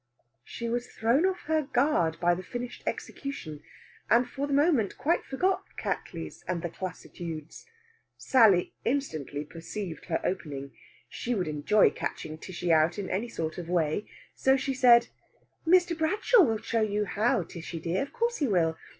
She was thrown off her guard by the finished execution, and for the moment quite forgot Cattley's and the classitudes. Sally instantly perceived her opening. She would enjoy catching Tishy out in any sort of way. So she said: "Mr. Bradshaw will show you how, Tishy dear; of course he will.